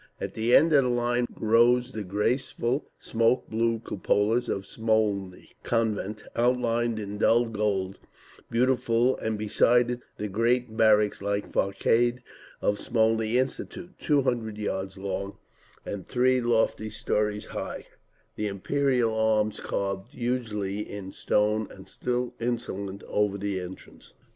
At the end of the line rose the graceful smoke blue cupolas of Smolny Convent outlined in dull gold, beautiful; and beside it the great barracks like façade of Smolny Institute, two hundred yards long and three lofty stories high, the Imperial arms carved hugely in stone still insolent over the entrance….